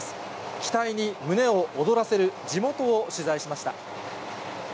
期待に胸を躍らせる地元を取材しました。